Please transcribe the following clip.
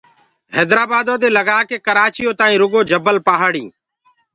هيدرآبآدو دي لگآڪي ڪرآچيو تآئينٚ رگو جبل پهآڙينٚ